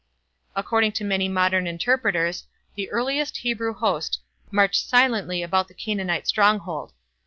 According to many modern interpreters the earliest Hebrew host marched silently about the Canaanite stronghold.